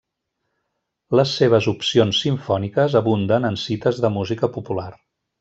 Les seves opcions simfòniques abunden en cites de música popular.